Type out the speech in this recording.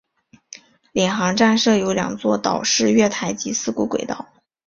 领航站设有两座岛式月台及四股轨道。